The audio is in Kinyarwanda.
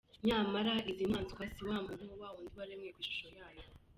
Nyamara izi ni inyamaswa si umuntu wa wundi waremwe ku ishusho yayo.